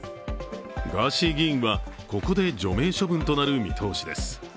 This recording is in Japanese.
ガーシー議員はここで除名処分となる見通しです。